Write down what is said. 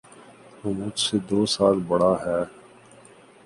وہ مجھ سے دو سال بڑا ہے